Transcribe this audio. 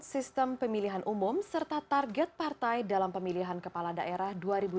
sistem pemilihan umum serta target partai dalam pemilihan kepala daerah dua ribu dua puluh